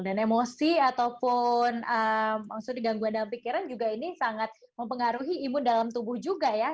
dan emosi ataupun gangguan dalam pikiran juga ini sangat mempengaruhi imun dalam tubuh juga ya